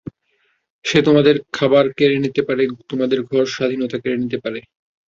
সে তোমাদের খাবার কেড়ে নিতে পারে, তোমাদের ঘর, স্বাধীনতা কেড়ে নিতে পারে।